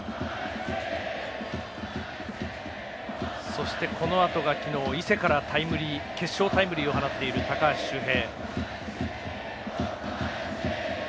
そして、このあとが昨日伊勢から決勝タイムリーを放っている高橋周平。